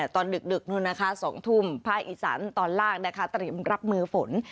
ตอนดึก๒ทุ่มภาคอีสานตอนล่างเป็นรับมือฝน